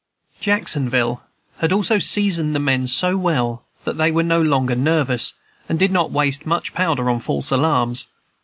Jacksonville had also seasoned the men so well that they were no longer nervous, and did not waste much powder on false alarms.